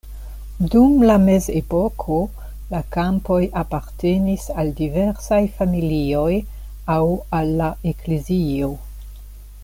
Dum la mezepoko la kampoj apartenis al diversaj familioj aŭ al la eklezio.